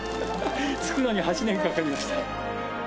着くのに８年かかりました。